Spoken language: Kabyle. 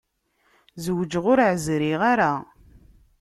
Zewǧeɣ ur ɛezriɣ ara.